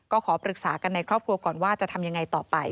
ก็ขอปรึกษากันในครอบครัวก่อนว่าจะทำยังไงต่อไป